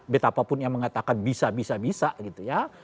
betapapun yang mengatakan bisa bisa gitu ya